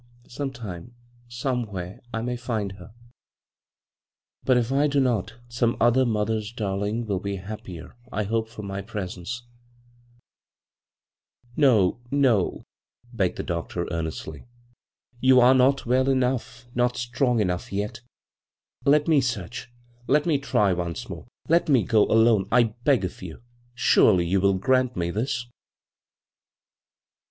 Some time, somewhere, I may find her ; but bvGoog[c CROSS CURRENTS if I do not, some other mother's darling will be the happier, I hope, for my presence" *' No, no," begged the doctor, earnestly. " You are not well enough, not strong enough yet Let me search. Let me try once more. Let me go alone, I beg of you. Surely you will grant me this?